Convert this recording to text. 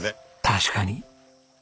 確かに。